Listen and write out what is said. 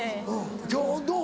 今日どう？